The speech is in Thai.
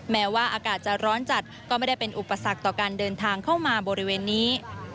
แม้ว่าอากาศจะร้อนจัดก็ไม่ได้เป็นอุปสรรคต่อการเดินทางเข้ามาบริเวณนี้